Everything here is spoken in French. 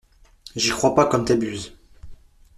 J'y crois pas comme t'abuses!